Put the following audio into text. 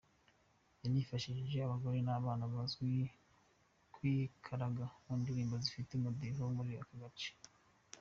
Yanifashishije abagore n’abana bazi kwikaraga mu ndirimbo zifite umudiho wo muri aka gace.